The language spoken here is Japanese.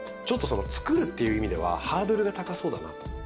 ちょっとそのつくるっていう意味ではハードルが高そうだなと。